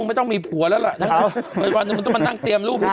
น้ำต้องมีผัวแล้วแล้ว